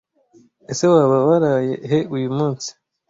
Ese waba waraye he uyu munsi